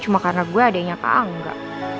cuma karena saya adanya kak angga